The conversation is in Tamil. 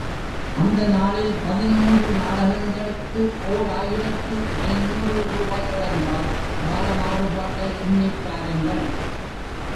அந்த நாளில் பதிமூன்று நாடகங்களுக்கு ஓர் ஆயிரத்து ஐநூறு ரூபாய்கள் என்றால், கால மாறுபாட்டை எண்ணிப் பாருங்கள்.